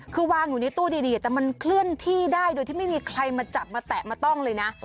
คือวางอยู่ในตู้ดีแต่มันเคลื่อนที่ได้โดยที่ไม่มีใครมาจับมาแตะมาต้องเลยนะ